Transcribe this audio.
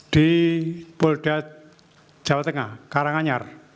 di polda jawa tengah karanganyar